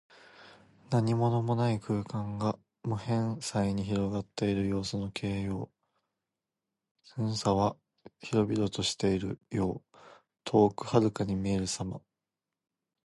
何物もない空間が、無辺際に広がっている様子の形容。「縹渺」は広々としている様。遠くはるかに見えるさま。